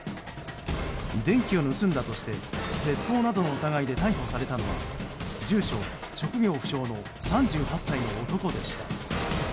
電気を盗んだとして窃盗などの疑いで逮捕されたのは住所職業不詳の３８歳の男でした。